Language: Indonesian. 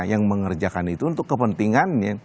yang mengerjakan itu untuk kepentingannya